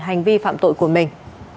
hành vi phạm tội của mình